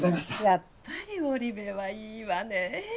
やっぱり織部はいいわね。